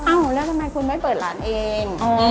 แล้วทำไมคุณไม่เปิดร้านเอง